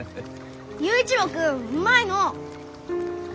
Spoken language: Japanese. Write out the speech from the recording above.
佑一郎君うまいのう。